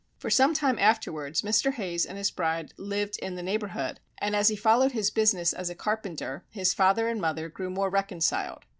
For sometime afterwards Mr. Hayes and his bride lived in the neighbourhood, and as he followed his business as a carpenter, his father and mother grew more reconciled.